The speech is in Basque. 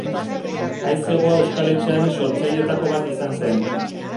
Haize Hegoa Euskal Etxearen sortzailetako bat izan zen.